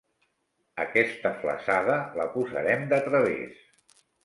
Aquesta flassada, la posarem de través.